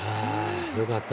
よかった。